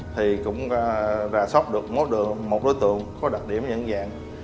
thì cũng ra sóc được một đối tượng có đặc điểm những dạng